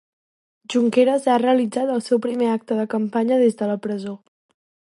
Junqueras ha realitzat el seu primer acte de campanya des de la presó.